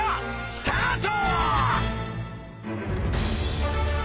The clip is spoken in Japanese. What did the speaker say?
スタート！